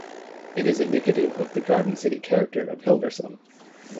It is indicative of the garden-city character of Hilversum.